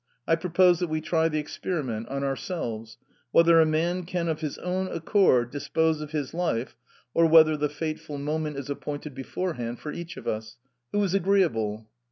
I propose that we try the experiment on ourselves: whether a man can of his own accord dispose of his life, or whether the fateful moment is appointed beforehand for each of us. Who is agreeable?"